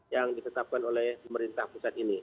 yang ditetapkan oleh pemerintah pusat ini